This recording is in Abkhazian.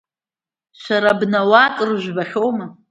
Шәара абнауаа акыр жәбахьоума?